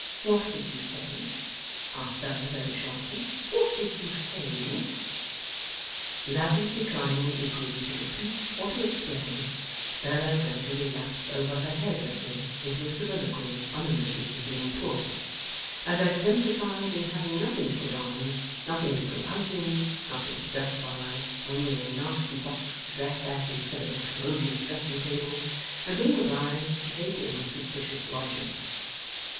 'What did you say?' asked Bella, very sharply. 'What did you say, miss?' Lavvy declining equally to repeat or to explain, Bella gradually lapsed over her hair dressing into a soliloquy on the miseries of being poor, as exemplified in having nothing to put on, nothing to go out in, nothing to dress by, only a nasty box to dress at instead of a commodious dressing table, and being obliged to take in suspicious lodgers.